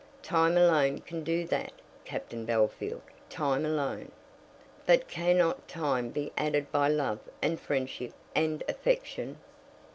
"Time alone can do that, Captain Bellfield; time alone." "But cannot time be aided by love and friendship and affection?"